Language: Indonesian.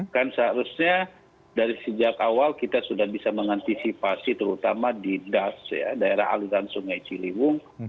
kan seharusnya dari sejak awal kita sudah bisa mengantisipasi terutama di das ya daerah aliran sungai ciliwung